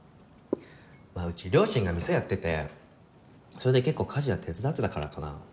うち両親が店やっててそれで結構家事は手伝ってたからかな。